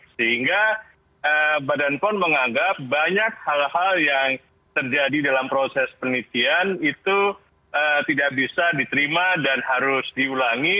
sehingga badan pom menganggap banyak hal hal yang terjadi dalam proses penelitian itu tidak bisa diterima dan harus diulangi